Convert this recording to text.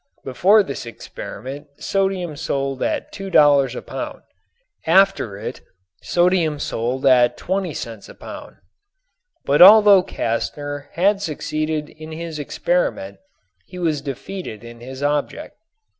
Before this experiment sodium sold at $2 a pound; after it sodium sold at twenty cents a pound. But although Castner had succeeded in his experiment he was defeated in his object.